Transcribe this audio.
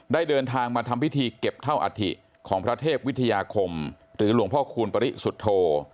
เดินทางมาทำพิธีเก็บเท่าอัฐิของพระเทพวิทยาคมหรือหลวงพ่อคูณปริสุทธโธ